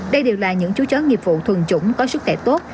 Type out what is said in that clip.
đây đều là những chú chó nghiệp vụ thuần chủng có sức khỏe tốt